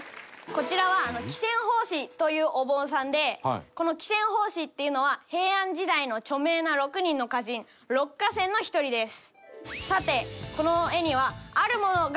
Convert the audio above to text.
こちらは喜撰法師というお坊さんでこの喜撰法師っていうのは平安時代の著名な６人の歌人六歌仙の１人です。